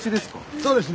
そうですね。